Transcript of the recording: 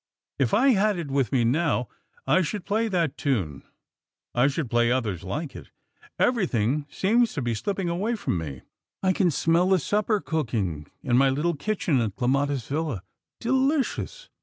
"If I had it with me now, I should play that tune. I should play others like it. Everything seems to be slipping away from me. I can smell the supper cooking in my little kitchen at Clematis Villa. Delicious!